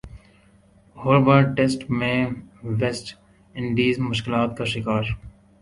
Hobart test میں West Indies مشکلات کا شکار